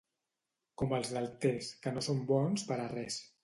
Com els d'Altés, que no són bons per a res.